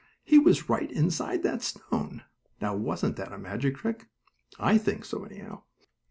He was right inside that stone! Now, wasn't that a magic trick? I think so, anyhow.